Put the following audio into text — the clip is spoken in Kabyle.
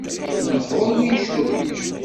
Tnehhuḍ win yeccurfen.